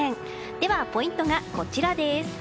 ではポイントがこちら。